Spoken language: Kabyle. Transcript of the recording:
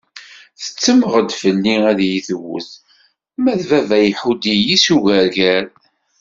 Tettemmeɣ-d fell-i ad iyi-tewwet, ma d baba iḥudd-iyi-d s ugerger.